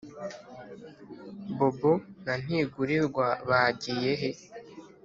Bobo na Ntigurirwa bagiye he